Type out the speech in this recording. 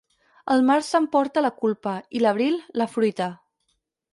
El març s'emporta la culpa, i l'abril, la fruita.